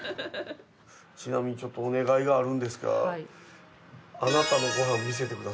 ちなみにちょっとお願いがあるんですが。